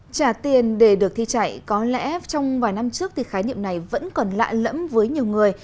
trả tiền để được thi chạy có lẽ trong vài năm trước thì khái niệm này vẫn còn lạ lẫm với nhiều người